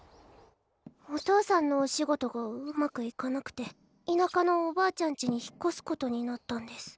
お父さんのお仕事がうまくいかなくて田舎のおばあちゃんちに引っ越すことになったんです。